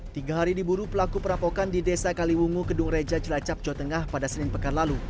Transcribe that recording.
tiga hari diburu pelaku perampokan di desa kaliwungu kedung reja jelacap jawa tengah pada senin pekan lalu